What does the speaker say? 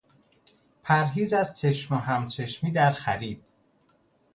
پرهیز از چشم و هم چشمی در خرید